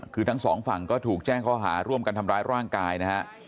คือทั้งสองฝั่งก็ถูกแจ้งข้อหาร่วมกันทำร้ายร่างกายนะฮะ